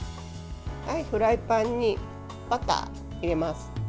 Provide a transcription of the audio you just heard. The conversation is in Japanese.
フライパンにバターを入れます。